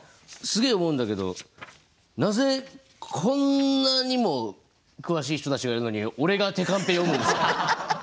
すげえ思うんだけどなぜこんなにも詳しい人たちがいるのに俺が手カンペ読むんですか？